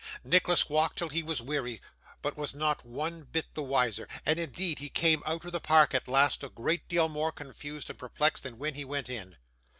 Nicholas walked till he was weary, but was not one bit the wiser; and indeed he came out of the Park at last a great deal more confused and perplexed than when he went in.